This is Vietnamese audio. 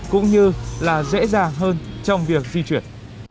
cũng như là dễ dàng hơn trong việc di chuyển